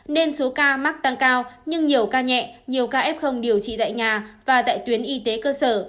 nên số ca mắc tăng cao nhưng nhiều ca nhẹ nhiều ca f điều trị tại nhà và tại tuyến y tế cơ sở